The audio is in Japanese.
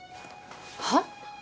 はっ？